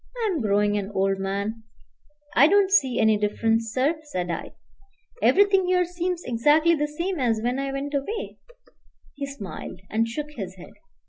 I am growing an old man " "I don't see any difference, sir," said I; "everything here seems exactly the same as when I went away " He smiled, and shook his head.